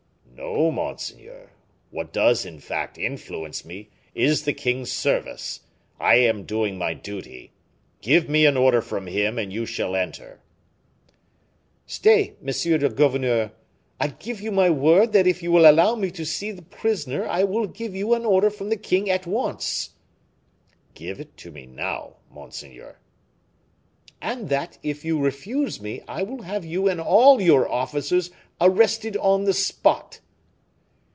"No, monseigneur; what does, in fact, influence me, is the king's service. I am doing my duty. Give me an order from him, and you shall enter." "Stay, M. le gouverneur, I give you my word that if you allow me to see the prisoner, I will give you an order from the king at once." "Give it to me now, monseigneur." "And that, if you refuse me, I will have you and all your officers arrested on the spot."